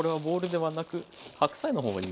はい。